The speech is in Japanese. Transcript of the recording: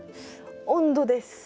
温度です。